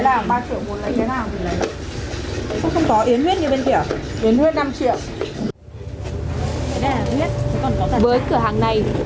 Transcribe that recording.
sao phải mở lấy cái này lấy cái này nè